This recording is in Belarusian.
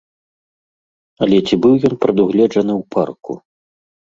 Але ці быў ён прадугледжаны ў парку?